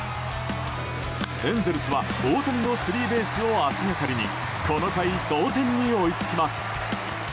エンゼルスは大谷のスリーベースを足掛かりにこの回、同点に追いつきます。